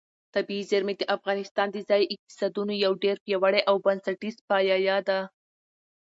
طبیعي زیرمې د افغانستان د ځایي اقتصادونو یو ډېر پیاوړی او بنسټیز پایایه دی.